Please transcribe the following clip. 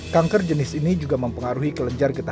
kanker jenis ini juga mempengaruhi kelenjar getah